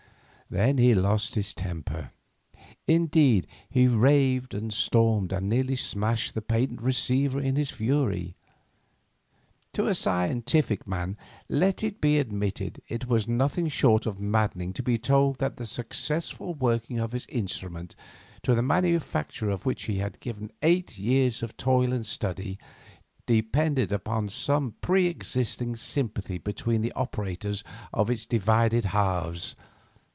Then he lost his temper; indeed, he raved, and stormed, and nearly smashed the patent receiver in his fury. To a scientific man, let it be admitted, it was nothing short of maddening to be told that the successful working of his instrument, to the manufacture of which he had given eight years of toil and study, depended upon some pre existent sympathy between the operators of its divided halves.